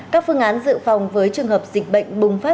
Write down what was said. các phương án dự phòng với trường hợp dịch bệnh bùng phát